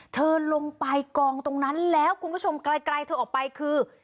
เธอลงไปกองตรงนั้นแล้วคุณผู้ชมไกลเธอออกไปคือ